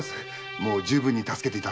もう十分に助けていただいて。